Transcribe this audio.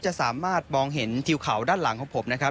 จะสามารถมองเห็นทิวเขาด้านหลังของผมนะครับ